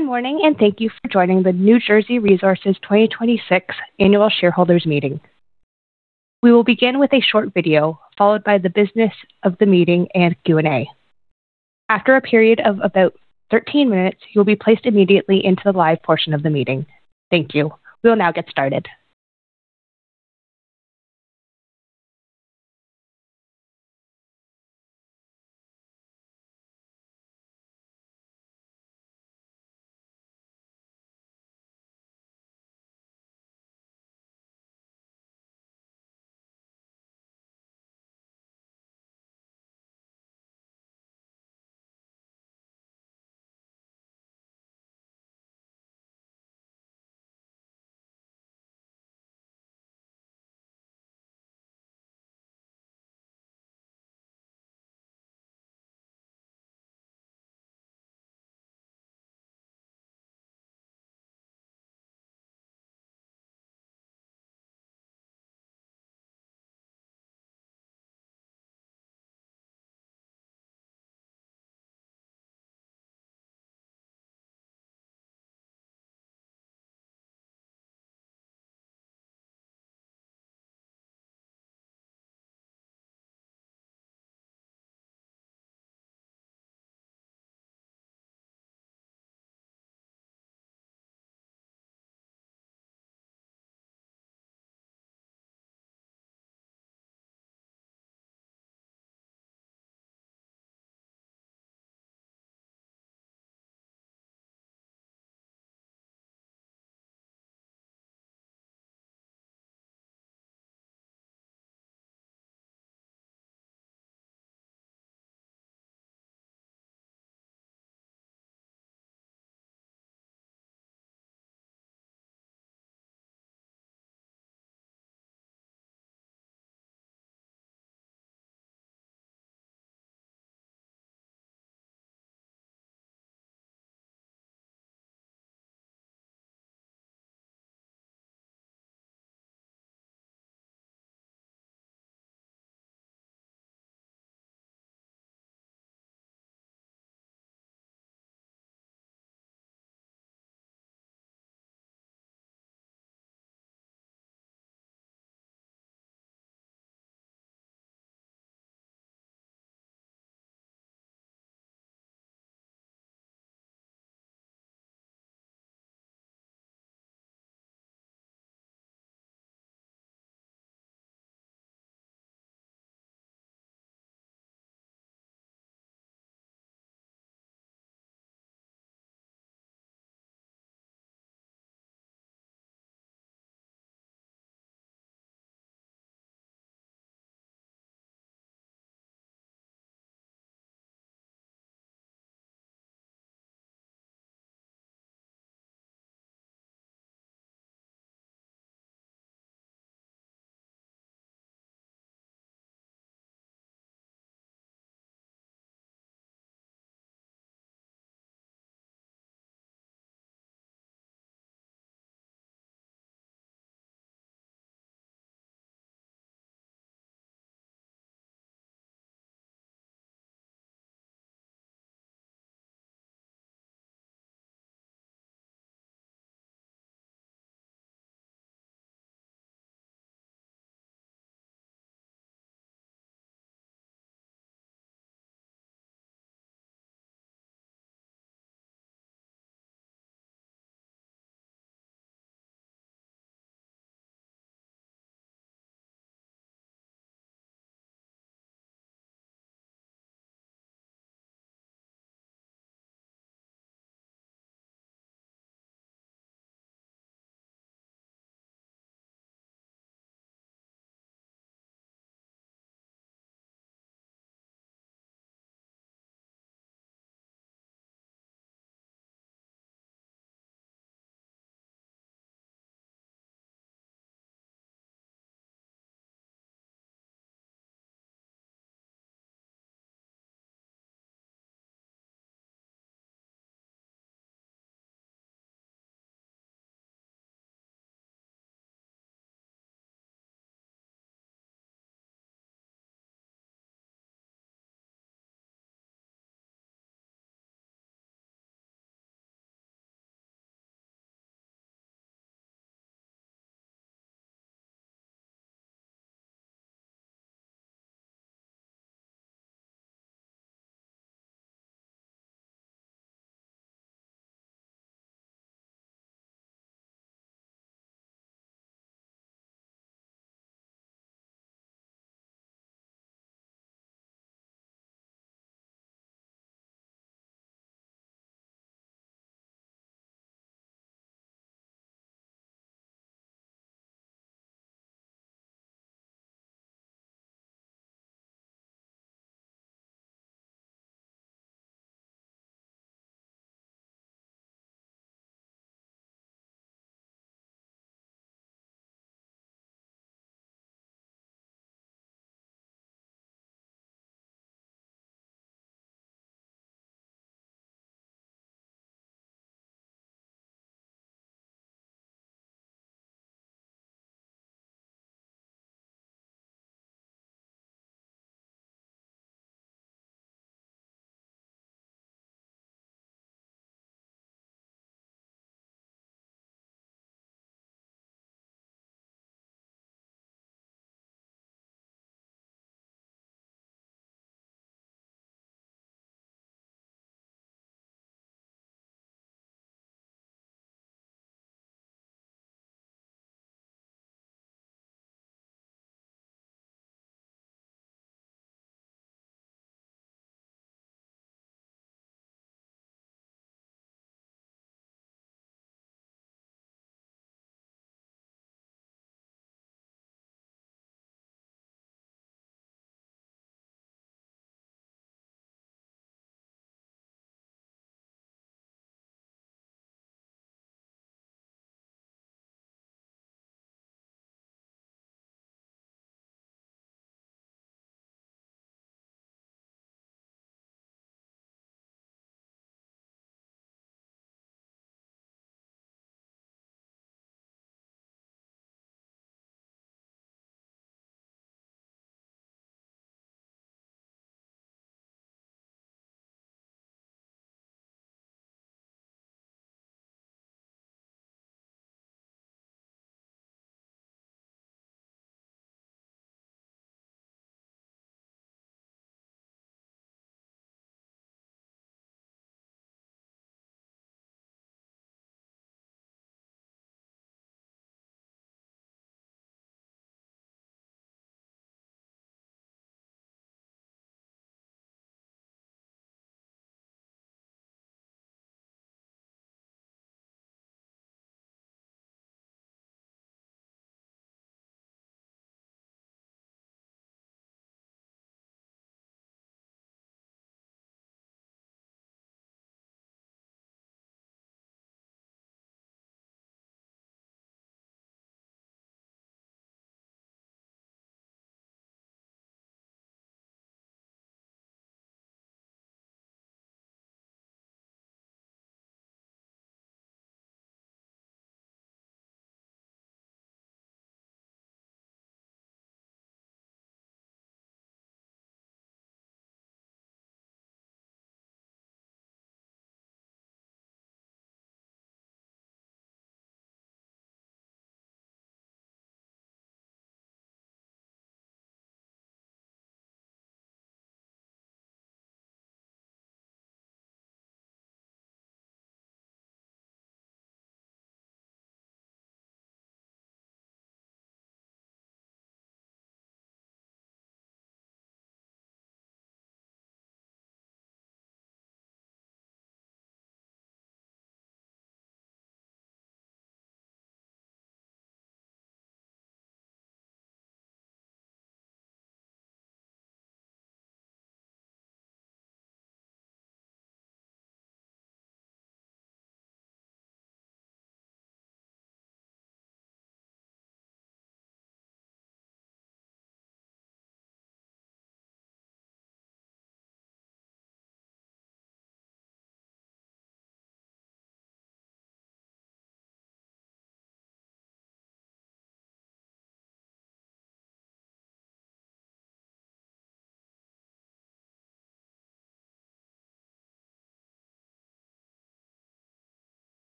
Good morning, and thank you for joining the New Jersey Resources 2026 Annual Shareholders Meeting. We will begin with a short video, followed by the business of the meeting and Q&A. After a period of about 13 minutes, you'll be placed immediately into the live portion of the meeting. Thank you. We will now get started.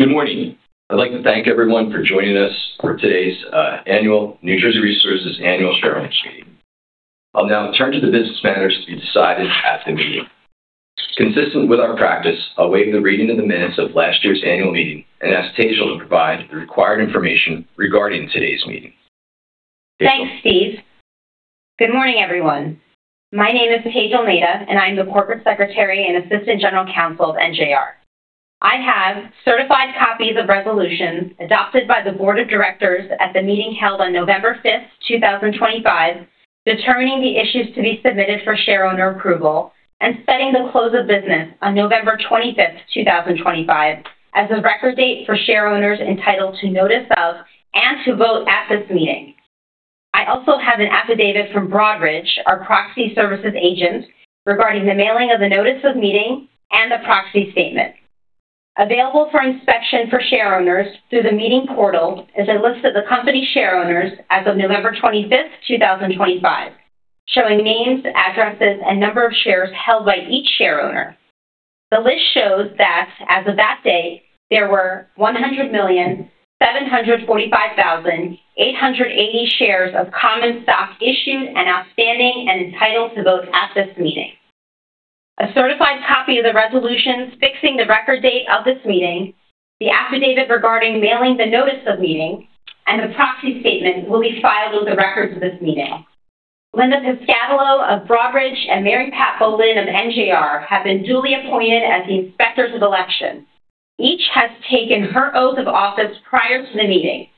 Good morning. I'd like to thank everyone for joining us for today's annual New Jersey Resources Annual Shareholders Meeting. I'll now turn to the business matters to be decided at the meeting. Consistent with our practice, I'll waive the reading of the minutes of last year's annual meeting and ask Tejal to provide the required information regarding today's meeting. Thanks, Steve. Good morning, everyone. My name is Tejal Mehta, and I'm the Corporate Secretary and Assistant General Counsel of NJR. I have certified copies of resolutions adopted by the Board of Directors at the meeting held on November 5, 2025, determining the issues to be submitted for shareholder approval and setting the close of business on November 25, 2025, as the record date for shareholders entitled to notice of and to vote at this meeting. I also have an affidavit from Broadridge, our proxy services agent, regarding the mailing of the notice of meeting and the proxy statement. Available for inspection for shareholders through the meeting portal is a list of the company shareholders as of November 25, 2025, showing names, addresses, and number of shares held by each shareholder. The list shows that as of that day, there were 100,745,880 shares of common stock issued and outstanding and entitled to vote at this meeting. A certified copy of the resolutions fixing the record date of this meeting, the affidavit regarding mailing the notice of meeting, and the proxy statement will be filed with the records of this meeting. Linda Piscatello of Broadridge and Mary Pat Bolan of NJR have been duly appointed as the inspectors of elections. Each has taken her oath of office prior to the meeting.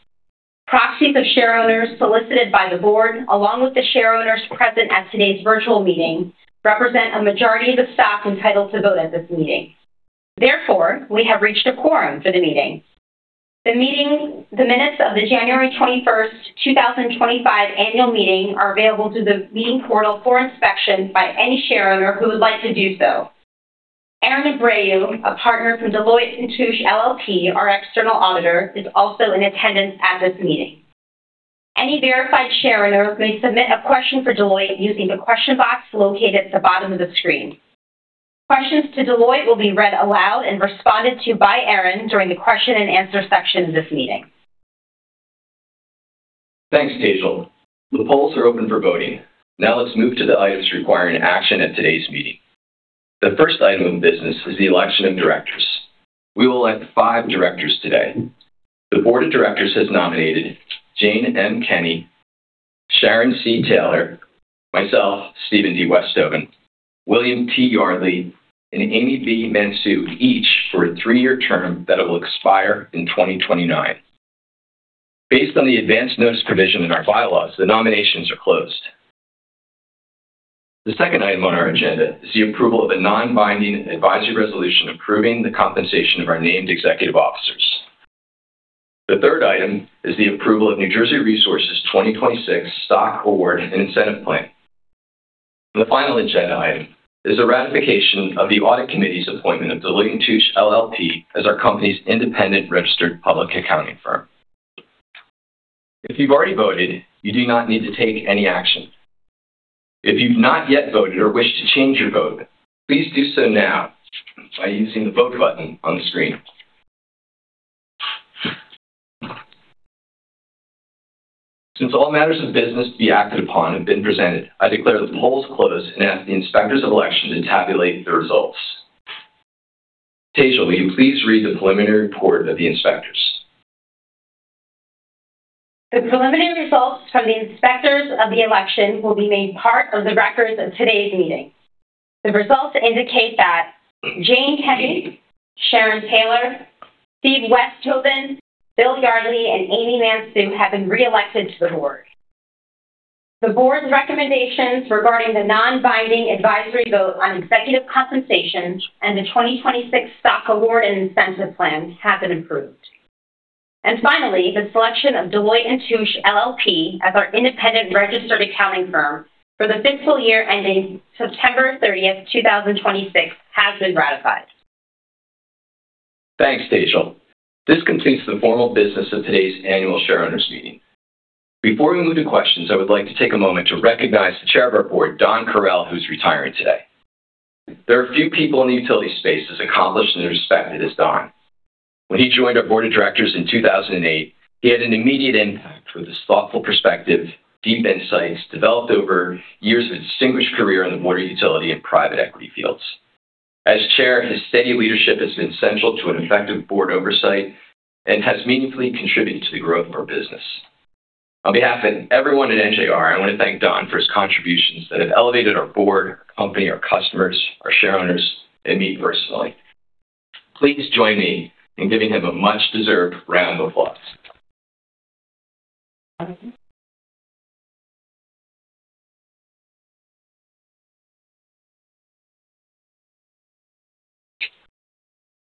Proxies of shareholders solicited by the board, along with the shareholders present at today's virtual meeting, represent a majority of the stock entitled to vote at this meeting. Therefore, we have reached a quorum for the meeting. The minutes of the January 21, 2025, annual meeting are available through the meeting portal for inspection by any shareholder who would like to do so. Aaron Abreu, a partner from Deloitte and Touche LLP, our external auditor, is also in attendance at this meeting. Any verified shareholder may submit a question for Deloitte using the question box located at the bottom of the screen. Questions to Deloitte will be read aloud and responded to by Aaron during the question and answer section of this meeting. Thanks, Tejal. The polls are open for voting. Now let's move to the items requiring action at today's meeting. The first item of business is the election of directors. We will elect five directors today. The Board of Directors has nominated Jane M. Kenny, Sharon C. Taylor, myself, Stephen D. Westhoven, William T. Yardley, and Amy B. Mansue, each for a three-year term that will expire in 2029. Based on the advanced notice provision in our bylaws, the nominations are closed. The second item on our agenda is the approval of a non-binding advisory resolution approving the compensation of our named executive officers. The third item is the approval of New Jersey Resources 2026 Stock Award and Incentive Plan. And the final agenda item is the ratification of the audit committee's appointment of Deloitte and Touche LLP as our company's independent registered public accounting firm. If you've already voted, you do not need to take any action. If you've not yet voted or wish to change your vote, please do so now by using the vote button on the screen. Since all matters of business to be acted upon have been presented, I declare the polls closed and ask the inspectors of election to tabulate the results. Tejal, will you please read the preliminary report of the inspectors? The preliminary results from the inspectors of the election will be made part of the records of today's meeting. The results indicate that Jane Kenny, Sharon Taylor, Steve Westhoven, Bill Yardley, and Amy Mansue have been re-elected to the board. The board's recommendations regarding the non-binding advisory vote on executive compensation and the 2026 Stock Award and Incentive Plan have been approved. And finally, the selection of Deloitte and Touche LLP as our independent registered accounting firm for the fiscal year ending September 30, 2026, has been ratified. Thanks, Tejal. This completes the formal business of today's annual shareholders meeting. Before we move to questions, I would like to take a moment to recognize the chair of our board, Don Correll, who's retiring today. There are few people in the utility space as accomplished and respected as Don. When he joined our board of directors in 2008, he had an immediate impact with his thoughtful perspective, deep insights developed over years of a distinguished career in the water utility and private equity fields. As chair, his steady leadership has been central to an effective board oversight and has meaningfully contributed to the growth of our business. On behalf of everyone at NJR, I want to thank Don for his contributions that have elevated our board, our company, our customers, our shareholders, and me personally. Please join me in giving him a much-deserved round of applause.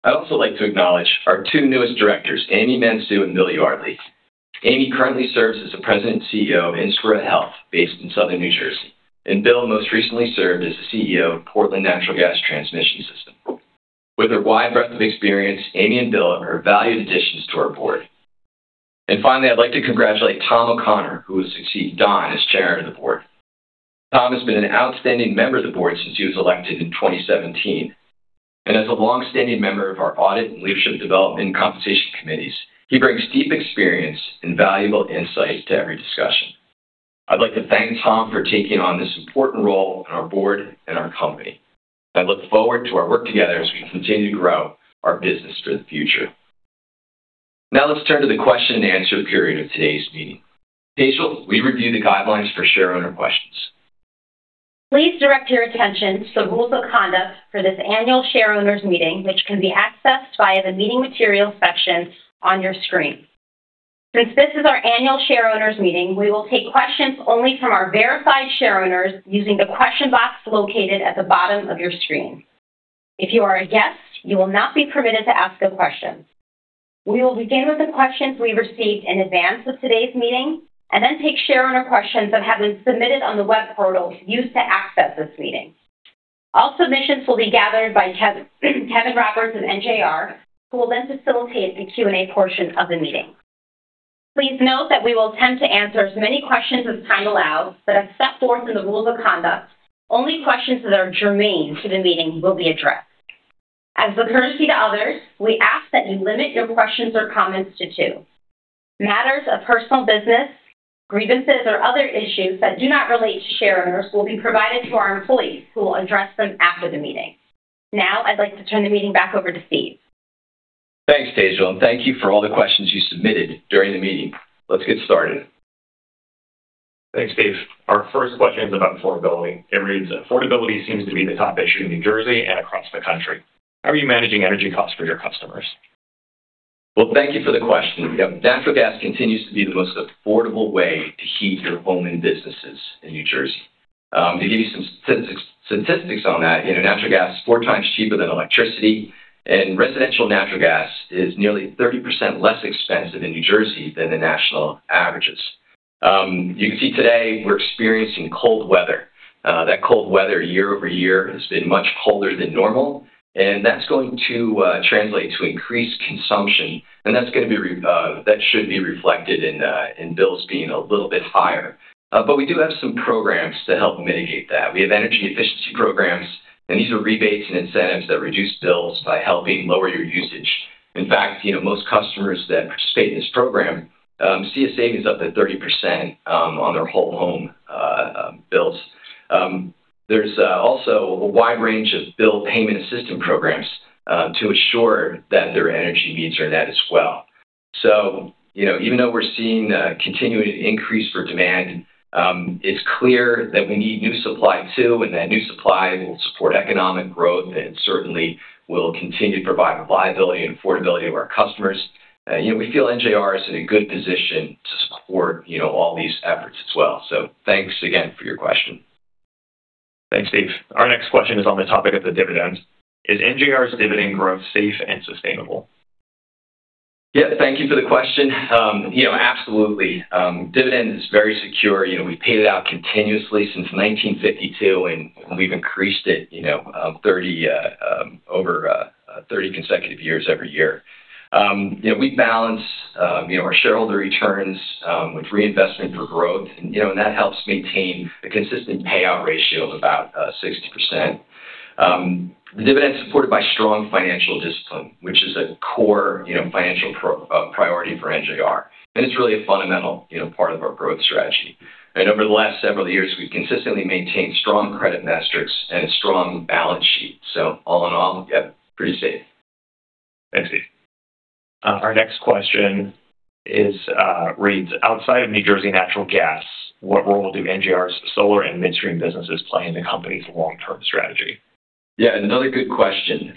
I'd also like to acknowledge our two newest directors, Amy Mansue and Bill Yardley. Amy currently serves as the president and CEO of Inspira Health, based in Southern New Jersey, and Bill most recently served as the CEO of Portland Natural Gas Transmission System. With her wide breadth of experience, Amy and Bill are valued additions to our board, and finally, I'd like to congratulate Tom O'Connor, who will succeed Don as chair of the board. Tom has been an outstanding member of the board since he was elected in 2017, and as a long-standing member of our audit and leadership development compensation committees, he brings deep experience and valuable insight to every discussion. I'd like to thank Tom for taking on this important role in our board and our company. I look forward to our work together as we continue to grow our business for the future. Now let's turn to the question and answer period of today's meeting. Tejal, will you review the guidelines for shareholder questions? Please direct your attention to the rules of conduct for this annual shareholders meeting, which can be accessed via the meeting material section on your screen. Since this is our annual shareholders meeting, we will take questions only from our verified shareholders using the question box located at the bottom of your screen. If you are a guest, you will not be permitted to ask a question. We will begin with the questions we received in advance of today's meeting and then take shareholder questions that have been submitted on the web portal used to access this meeting. All submissions will be gathered by Kevin Roberts of NJR, who will then facilitate the Q&A portion of the meeting. Please note that we will attempt to answer as many questions as time allows, but as set forth in the rules of conduct, only questions that are germane to the meeting will be addressed. As a courtesy to others, we ask that you limit your questions or comments to two. Matters of personal business, grievances, or other issues that do not relate to shareholders will be provided to our employees, who will address them after the meeting. Now I'd like to turn the meeting back over to Steve. Thanks, Tejal, and thank you for all the questions you submitted during the meeting. Let's get started. Thanks, Steve. Our first question is about affordability. It reads, "Affordability seems to be the top issue in New Jersey and across the country. How are you managing energy costs for your customers? Thank you for the question. Natural gas continues to be the most affordable way to heat your home and businesses in New Jersey. To give you some statistics on that, natural gas is four times cheaper than electricity, and residential natural gas is nearly 30% less expensive in New Jersey than the national averages. You can see today we're experiencing cold weather. That cold weather year-over-year has been much colder than normal, and that's going to translate to increased consumption, and that should be reflected in bills being a little bit higher. But we do have some programs to help mitigate that. We have energy efficiency programs, and these are rebates and incentives that reduce bills by helping lower your usage. In fact, most customers that participate in this program see a savings up to 30% on their whole home bills. There's also a wide range of bill payment assistance programs to ensure that their energy needs are met as well. So even though we're seeing a continuing increase for demand, it's clear that we need new supply too, and that new supply will support economic growth and certainly will continue to provide reliability and affordability to our customers. We feel NJR is in a good position to support all these efforts as well. So thanks again for your question. Thanks, Steve. Our next question is on the topic of the dividends. Is NJR's dividend growth safe and sustainable? Yeah, thank you for the question. Absolutely. Dividends are very secure. We've paid it out continuously since 1952, and we've increased it over 30 consecutive years every year. We balance our shareholder returns with reinvestment for growth, and that helps maintain a consistent payout ratio of about 60%. The dividend is supported by strong financial discipline, which is a core financial priority for NJR, and it's really a fundamental part of our growth strategy, and over the last several years, we've consistently maintained strong credit metrics and a strong balance sheet, so all in all, yeah, pretty safe. Thanks, Steve. Our next question reads, "Outside of New Jersey Natural Gas, what role do NJR's solar and midstream businesses play in the company's long-term strategy? Yeah, another good question,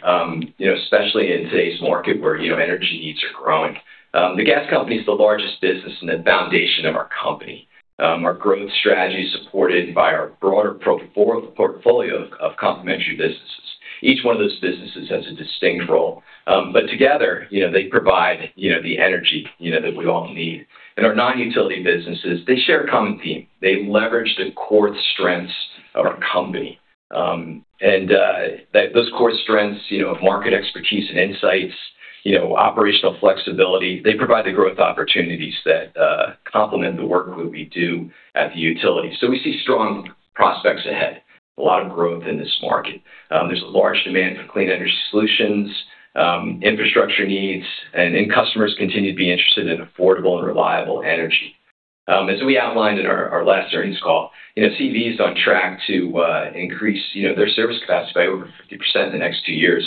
especially in today's market where energy needs are growing. The gas company is the largest business and the foundation of our company. Our growth strategy is supported by our broader portfolio of complementary businesses. Each one of those businesses has a distinct role, but together, they provide the energy that we all need, and our non-utility businesses, they share a common theme. They leverage the core strengths of our company, and those core strengths of market expertise and insights, operational flexibility, they provide the growth opportunities that complement the work that we do at the utility, so we see strong prospects ahead, a lot of growth in this market. There's a large demand for clean energy solutions, infrastructure needs, and customers continue to be interested in affordable and reliable energy. As we outlined in our last earnings call, CEV is on track to increase their service capacity by over 50% in the next two years,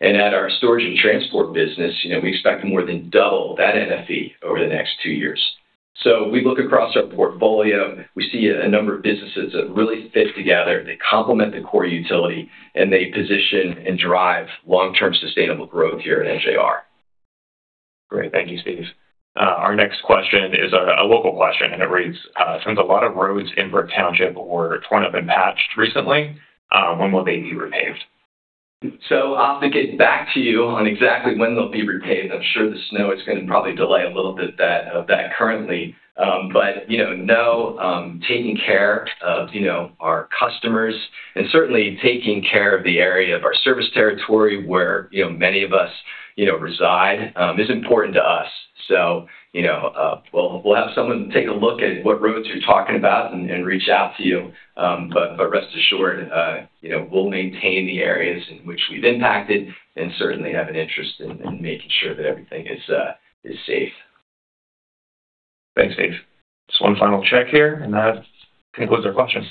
and at our storage and transport business, we expect more than double that NFE over the next two years, so we look across our portfolio, we see a number of businesses that really fit together, that complement the core utility, and they position and drive long-term sustainable growth here at NJR. Great. Thank you, Steve. Our next question is a local question, and it reads, "Since a lot of roads in Brick Township were torn up and patched recently, when will they be repaved? So I'll have to get back to you on exactly when they'll be repaved. I'm sure the snow is going to probably delay a little bit of that currently. But taking care of our customers and certainly taking care of the area of our service territory where many of us reside is important to us. So we'll have someone take a look at what roads you're talking about and reach out to you. But rest assured, we'll maintain the areas in which we've impacted and certainly have an interest in making sure that everything is safe. Thanks, Steve. Just one final check here, and that concludes our questions.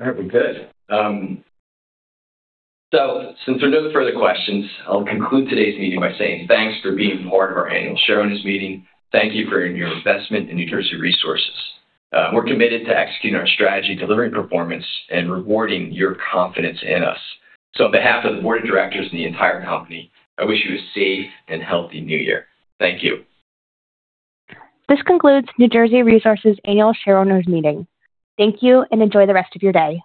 All right, we're good. So since there are no further questions, I'll conclude today's meeting by saying thanks for being part of our annual shareholders meeting. Thank you for your investment in New Jersey Resources. We're committed to executing our strategy, delivering performance, and rewarding your confidence in us. So on behalf of the board of directors and the entire company, I wish you a safe and healthy new year. Thank you. This concludes New Jersey Resources' annual shareholders meeting. Thank you and enjoy the rest of your day.